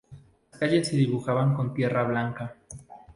Las calles se dibujaban con tierra blanca.